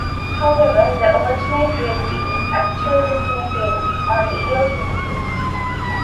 However, the "alternate" reality is actually the same reality, only years in the future.